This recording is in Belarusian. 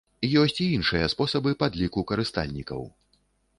Ёсць і іншыя спосабы падліку карыстальнікаў.